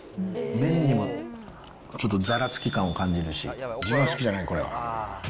麺にもちょっとざらつき感を感じるし、自分は好きじゃない、これは。